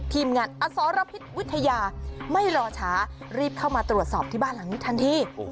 ทีมงานอสรพิษวิทยาไม่รอช้ารีบเข้ามาตรวจสอบที่บ้านหลังนี้ทันที